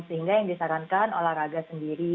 sehingga yang disarankan olahraga sendiri